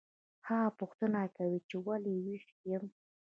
هغه پوښتنه کوي چې ولې ویښ یم